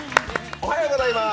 おはようございます。